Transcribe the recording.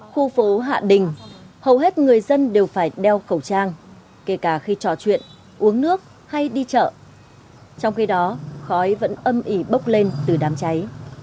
khu phố hạ đình hầu hết người dân đều phải đeo khẩu trang kể cả khi trò chuyện uống nước hay đi chợ trong khi đó khói vẫn âm ỉ bốc lên từ đám cháy